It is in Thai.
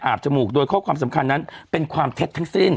จมูกโดยข้อความสำคัญนั้นเป็นความเท็จทั้งสิ้น